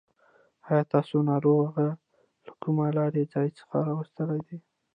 آيا تاسو ناروغه له کوم لرې ځای څخه راوستلې ده.